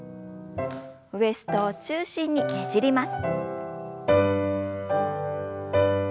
ウエストを中心にねじります。